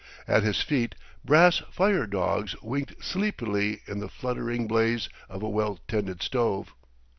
At his feet brass fire dogs winked sleepily in the fluttering blaze of a well tended stove.